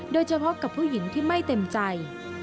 โดยเฉพาะกับผู้หญิงที่ไม่เต็มใจ